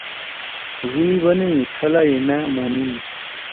ڙُوئں بنَئی: ”تھلا ئی مأ مونیِن“۔